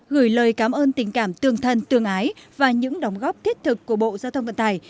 gửi lời cảm ơn tình cảm tương thân tương ái và những đóng góp thiết thực của bộ giao thông vận tải